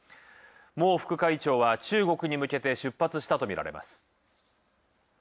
孟副会長は、中国に向けて出発したとみられます。